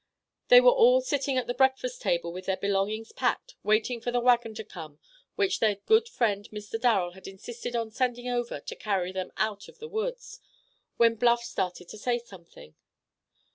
They were all sitting at the breakfast table with their belongings packed waiting for the wagon to come which their good friend Mr. Darrel had insisted on sending over to carry them out of the woods, when Bluff started to say something.